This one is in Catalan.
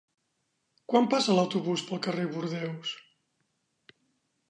Quan passa l'autobús pel carrer Bordeus?